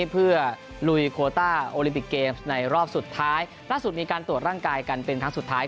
เพื่อลุยโคต้าโอลิมปิกเกมส์ในรอบสุดท้ายล่าสุดมีการตรวจร่างกายกันเป็นครั้งสุดท้าย